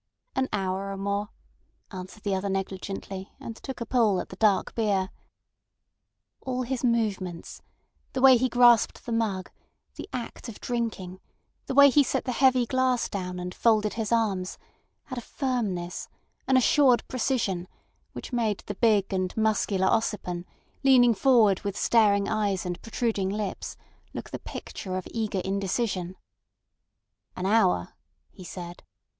"An hour or more," answered the other negligently, and took a pull at the dark beer. All his movements—the way he grasped the mug, the act of drinking, the way he set the heavy glass down and folded his arms—had a firmness, an assured precision which made the big and muscular Ossipon, leaning forward with staring eyes and protruding lips, look the picture of eager indecision. "An hour," he said.